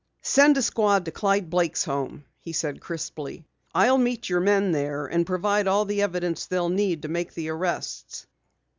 "Send a squad to Clyde Blake's home," he added crisply. "I'll meet your men there and provide all the evidence they'll need to make the arrests."